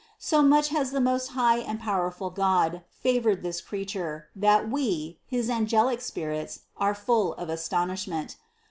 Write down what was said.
So much has the most high and pow erful God favored this Creature, that we, his angelic spirits, are full of astonishment.